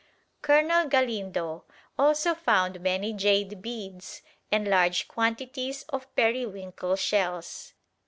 Colonel Galindo also found many jade beads and large quantities of periwinkle shells.